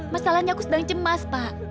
masalahnya aku sedang cemas pak